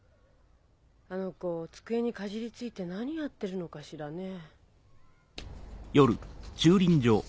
あの子机にかじりついて何やってるのかしらね。